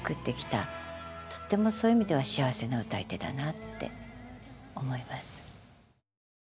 とってもそういう意味では幸せな歌い手だなって思います。